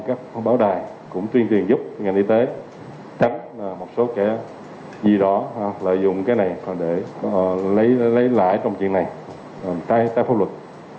các báo đài cũng tuyên truyền giúp ngành y tế tránh một số kẻ gì đó lợi dụng cái này để lấy lại trong chuyện này trai phẫu luật